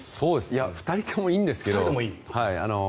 ２人ともいいんですけど。